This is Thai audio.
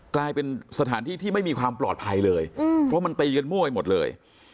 กลายเป็นสถานที่ที่ไม่มีความปลอดภัยเลยเพราะมันตีกันมั่วไปหมดเลย